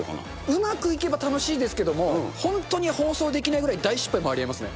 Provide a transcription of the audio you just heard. うまくいけば楽しいですけれども、本当に放送できないくらい大失敗もありえますね。